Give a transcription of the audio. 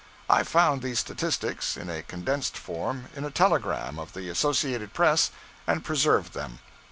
I found these statistics, in a condensed form, in a telegram of the Associated Press, and preserved them.